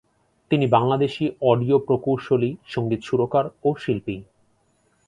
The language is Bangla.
তিনি বাংলাদেশী অডিও প্রকৌশলী, সংগীত সুরকার ও শিল্পী।